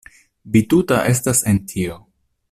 Vi tuta estas en tio!